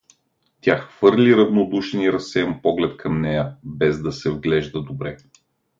Тя хвърли равнодушен и разсеян поглед към нея, без да се вглежда добре.